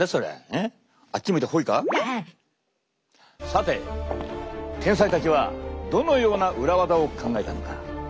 さて天才たちはどのような裏技を考えたのか。